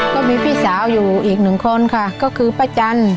ก็มีพี่สาวอยู่อีกหนึ่งคนค่ะก็คือป้าจัน